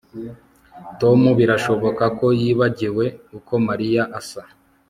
Tom birashoboka ko yibagiwe uko Mariya asa